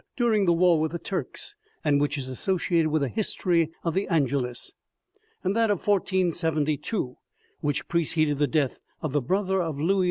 during the war with the Turks, and which is associa ted with the history of the Angelus ; and that of 1472, which preceded the death of the brother of Louis xi.